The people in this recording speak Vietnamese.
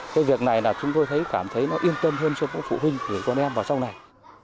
cái việc này chúng tôi cảm thấy yên tâm hơn cho phụ huynh của con em vào trong này